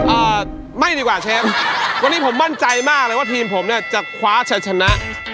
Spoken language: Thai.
เอ่อไม่ดีกว่าเชฟวันนี้ผมมั่นใจมากเลยว่าทีมผมเนี่ยจะคว้าชะชนะ